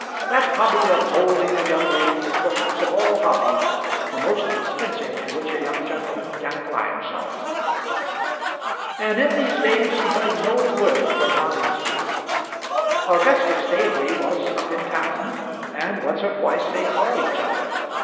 That hobby of moulding a young lady is perhaps of all hobbies the most expensive to which a young gentleman can apply himself. And in these days he heard no word from Noningsby. Augustus Staveley was up in town, and once or twice they saw each other.